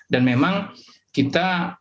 dan memang kita